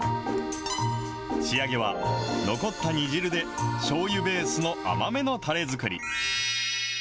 仕上げは、残った煮汁でしょうゆベースの甘めのたれ作り。